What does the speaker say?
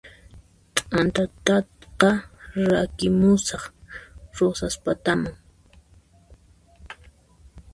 T'antataqa rakimusaq Rosaspataman